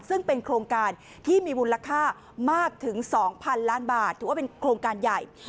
ซึ่งเป็นโครงการที่มีมูลค่ามากถึง๒๐๐๐ล้านบาทถือว่าเป็นโครงการใหญ่